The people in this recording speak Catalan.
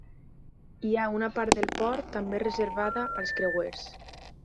Hi ha una part del port també reservada als creuers.